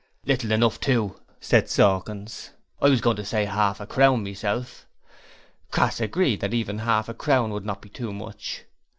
'Little enough too,' said Sawkins. 'I was going to say arf a crown, myself.' Crass agreed that even half a crown would not be too much.